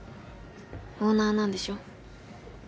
オーナーなんでしょ。